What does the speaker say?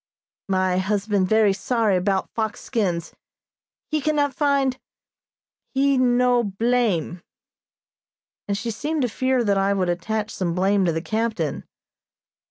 "My husband very sorry 'bout fox skins. He cannot find he no blame," and she seemed to fear that I would attach some blame to the captain.